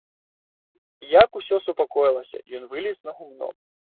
Як ўсё супакоілася, ён вылез на гумно.